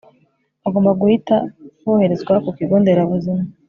bagomba guhita boherezwa ku kigo nderabuzima